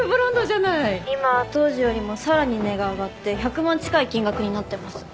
今は当時よりもさらに値が上がって１００万近い金額になってます。